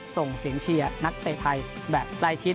ส่งเสียงเชียร์นักเตะไทยแบบใกล้ชิด